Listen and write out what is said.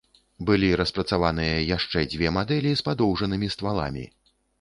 Былі распрацаваныя яшчэ дзве мадэлі з падоўжанымі стваламі.